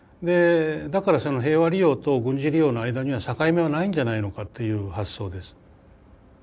だから平和利用と軍事利用の間には境目はないんじゃないのかという発想です。